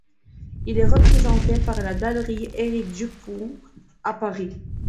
Il est représenté par la galerie Éric-Dupont à Paris.